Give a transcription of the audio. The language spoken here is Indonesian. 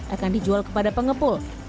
akan dijual kepada pengepul